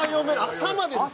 「朝まで」ですよ？